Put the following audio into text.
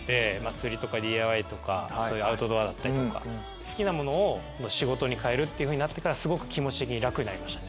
釣りとかＤＩＹとかそういうアウトドアだったりとか。というふうになってからすごく気持ち的に楽になりましたね。